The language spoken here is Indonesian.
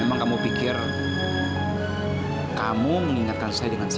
emang kamu pikir kamu mengingatkan saya dengan senang